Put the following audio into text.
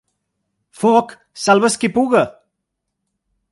«Foc, salve’s qui puga!».